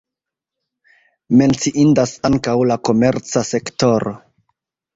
Menciindas ankaŭ la komerca sektoro.